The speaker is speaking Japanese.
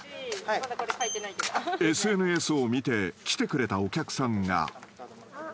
［ＳＮＳを見て来てくれたお客さんが］